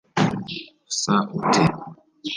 Usa ute